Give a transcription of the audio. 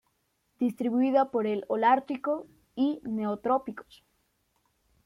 Distribuida por el Holártico y Neotrópicos.